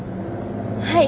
はい。